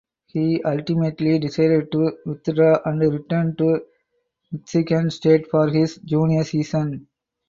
He ultimately decided to withdraw and return to Michigan State for his junior season.